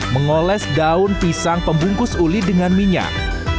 mengoles daun pisang pembungkus uli dengan minyak